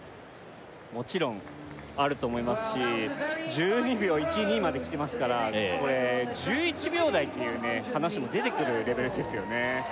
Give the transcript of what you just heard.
もちろんあると思いますし１２秒１２まできてますからこれ１１秒台っていう話も出てくるレベルですよね